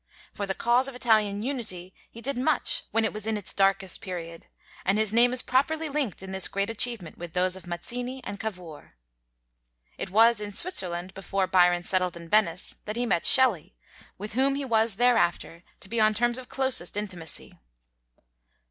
For the cause of Italian unity he did much when it was in its darkest period, and his name is properly linked in this great achievement with those of Mazzini and Cavour. It was in Switzerland, before Byron settled in Venice, that he met Shelley, with whom he was thereafter to be on terms of closest intimacy.